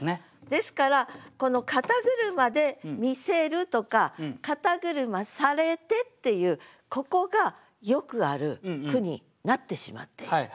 ですからこの「肩車で見せる」とか「肩車されて」っていうここがよくある句になってしまっていると。